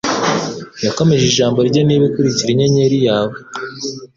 Yakomeje ijambo rye Niba ukurikira inyenyeri yawe